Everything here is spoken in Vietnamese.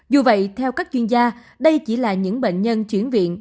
dù vậy theo các chuyên gia đây chỉ là những bệnh nhân chuyển viện